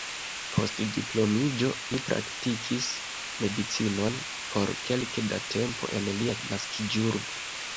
Post diplomiĝo li praktikis medicinon por kelke da tempo en lia naskiĝurbo.